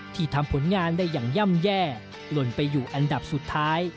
ทำผลงานได้อย่างย่ำแย่หล่นไปอยู่อันดับสุดท้าย